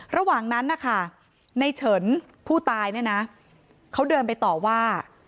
ระหว่างนั้นนะคะในเฉินผู้ตายเนี่ยนะเขาเดินไปต่อว่า